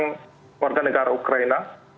warga negara ukraina